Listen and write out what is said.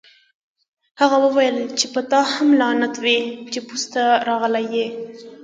هغه وویل چې په تا هم لعنت وي چې پوځ ته راغلی یې